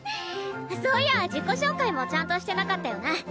そういや自己紹介もちゃんとしてなかったよな。